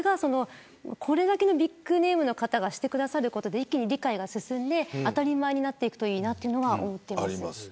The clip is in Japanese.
これだけのビッグネームの方がしてくださることで理解が進んで、当たり前になるといいなと思います。